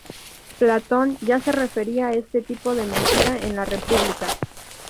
Platón ya se refería a este tipo de mentira en "La República".